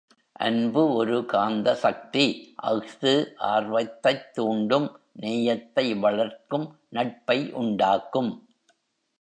அன்பு ஒரு காந்த சக்தி அஃது ஆர்வத்தைத் தூண்டும் நேயத்தை வளர்க்கும் நட்பை உண்டாக்கும்.